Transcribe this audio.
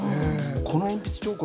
この鉛筆彫刻